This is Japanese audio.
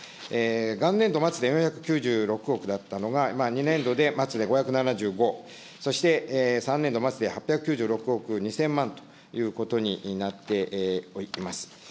元年度末で４６９億であったのが、今、２年度で末で５７５、そして３年度末で８９６億２０００万ということになっております。